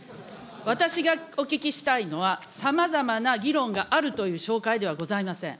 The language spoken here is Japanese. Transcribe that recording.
私がお聞きしたいのは、さまざまな議論があるというしょうかいではございません。